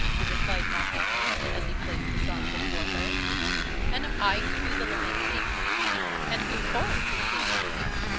she replied mockingly, as he placed the song before her. "And am I to do the lamenting? And who for, if you please?"